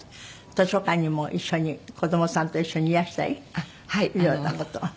図書館にも一緒に子どもさんと一緒にいらしたりいろんな事を。